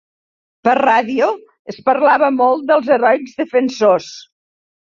Per ràdio es parlava molt dels «heroics defensors»